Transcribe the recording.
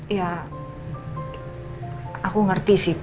iya aku ngerti sih pak